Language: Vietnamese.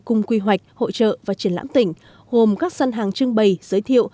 cùng quy hoạch hội trợ và triển lãm tỉnh hồn các dân hàng trưng bày giới thiệu